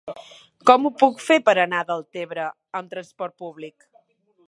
Com ho puc fer per anar a Deltebre amb trasport públic?